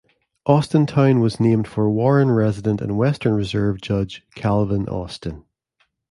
Austintown was named for Warren resident and Western Reserve judge Calvin Austin.